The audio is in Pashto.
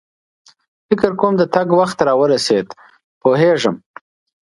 فکر کوم د تګ وخت را ورسېد، پوهېږم.